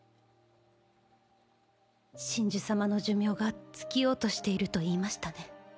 神樹様の寿命が尽きようとしていると言いましたね。